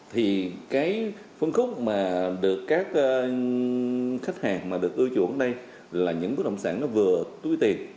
thì cái phân khúc mà được các khách hàng mà được ưa chuộng ở đây là những bất động sản nó vừa túi tiền